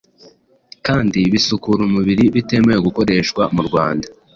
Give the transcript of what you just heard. kandi bisukura umubiri bitemewe gukoreshwa mu Rwanda.